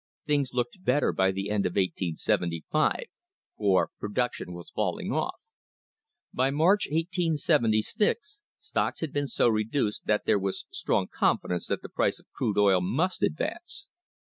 Things looked better by the end of 1875, for pro duction was falling off. By March, 1876, stocks had been so reduced that there was strong confidence that the price of crude oil must advance.